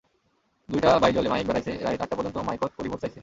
দুইটা বাইজলে মাইক বেড়ায়ছে, রাইত আটটা পর্যন্ত মাইকত করি ভোট চায়ছে।